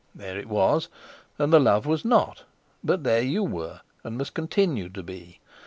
There it was, and the love was not—but there you were, and must continue to be!